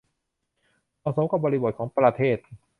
เหมาะสมกับบริบทของประเทศ